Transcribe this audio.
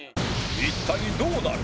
一体どうなる？